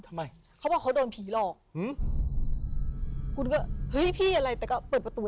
ทำไมเขาบอกเขาโดนผีหลอกอืมคุณก็เฮ้ยพี่อะไรแต่ก็เปิดประตู